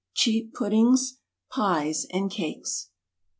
CHEAP PUDDINGS, PIES, AND CAKES.